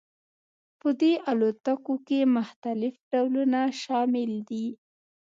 په دې الوتکو کې مختلف ډولونه شامل دي